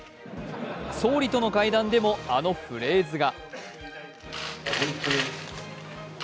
総理との会談でもあのフレーズが。